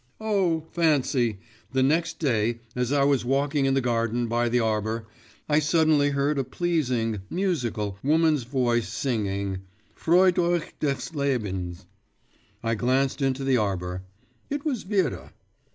Oh! fancy, the next day, as I was walking in the garden by the arbour, I suddenly heard a pleasing, musical, woman's voice singing 'Freut euch des Lebens!…' I glanced into the arbour: it was Vera.